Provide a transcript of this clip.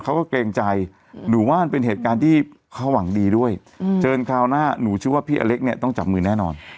เกรงใจหนูว่ามันเป็นเหตุการณ์ที่เขาหวังดีด้วยเชิญคราวหน้าหนูชื่อว่าพี่อเล็กเนี่ยต้องจับมือแน่นอน